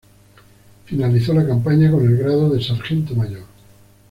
Finalizó la campaña con el grado de sargento mayor.